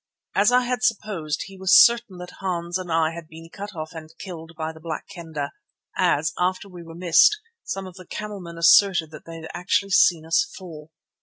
As I had supposed, he was certain that Hans and I had been cut off and killed by the Black Kendah, as, after we were missed, some of the camelmen asserted that they had actually seen us fall.